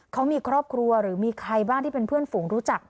เขามีครอบครัวหรือมีใครบ้างที่เป็นเพื่อนฝูงรู้จัก